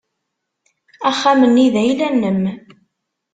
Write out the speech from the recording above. Axxam-nni d ayla-nnem.